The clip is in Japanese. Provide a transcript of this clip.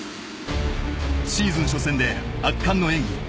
シーズン初戦で圧巻の演技。